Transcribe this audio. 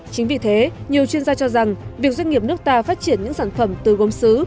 chính vì thế nhiều chuyên gia cho rằng việc doanh nghiệp nước ta phát triển những sản phẩm từ gốm xứ